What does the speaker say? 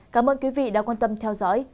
cảm ơn quý vị đã quan tâm theo dõi